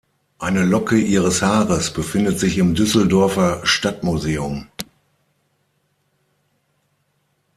Eine Locke ihres Haares befindet sich im Düsseldorfer Stadtmuseum.